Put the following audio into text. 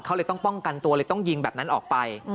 เขาเลยต้องป้องกันตัวเลยต้องยิงแบบนั้นออกไป